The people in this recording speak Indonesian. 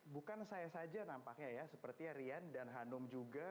bukan saya saja nampaknya ya seperti rian dan hanum juga